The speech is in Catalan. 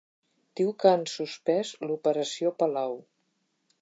Diu que han suspès l'operació Palau.